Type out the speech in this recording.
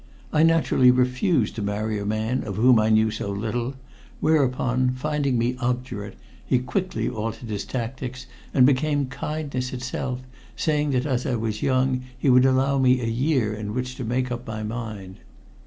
I naturally refused to marry a man of whom I knew so little, whereupon, finding me obdurate, he quickly altered his tactics and became kindness itself, saying that as I was young he would allow me a year in which to make up my mind.